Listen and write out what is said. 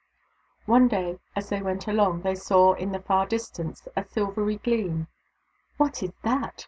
One day, as they went along, they saw in the far distance a silvery gleam. " What is that